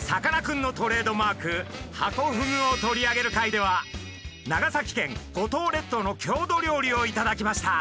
さかなクンのトレードマークハコフグを取り上げる回では長崎県五島列島の郷土料理を頂きました。